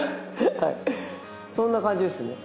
そんな感じですね。